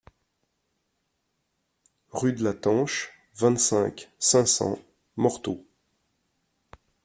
Rue de la Tanche, vingt-cinq, cinq cents Morteau